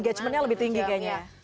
enggajemennya lebih tinggi kayaknya